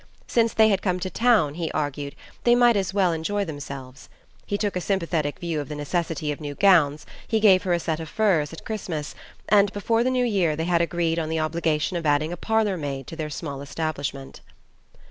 Since they had come to town, he argued, they might as well enjoy themselves. He took a sympathetic view of the necessity of new gowns, he gave her a set of furs at Christmas, and before the New Year they had agreed on the obligation of adding a parlour maid to their small establishment.